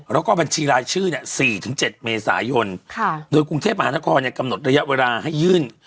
แล้วก็บัญชีรายชื่อเนี่ย๔๗เมษายนโดยกรุงเทพมหานครกำหนดระยะเวลาให้ยื่น